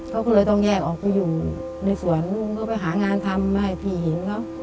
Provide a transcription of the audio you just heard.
เขาก็เลยต้องแยกออกไปอยู่ในสวนนู่นก็ไปหางานทำให้พี่เห็นเขา